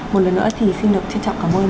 một lần nữa thì xin được trân trọng cảm ơn